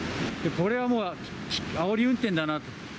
これはもう、あおり運転だなと。